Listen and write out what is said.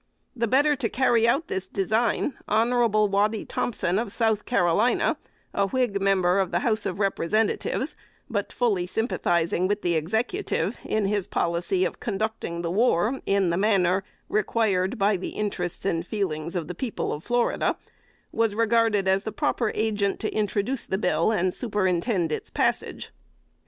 The better to carry out this design, Hon. Waddy Thompson of South Carolina, a Whig member of the House of Representatives, but fully sympathizing with the Executive in his policy of conducting the war in the manner "required by the interests and feelings of the people of Florida," was regarded as the proper agent to introduce the bill and superintend its passage. [Sidenote: 1841.